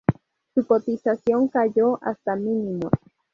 Su cotización cayó hasta mínimos.